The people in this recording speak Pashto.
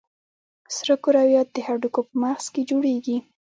سره کرویات د هډوکو په مغز کې جوړېږي.